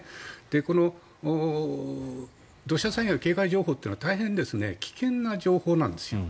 この土砂災害警戒情報というのは大変危険な情報なんですよ。